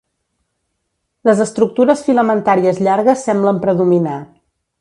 Les estructures filamentàries llargues semblen predominar.